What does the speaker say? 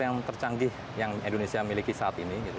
ini adalah pesawat yang tercanggih yang indonesia miliki saat ini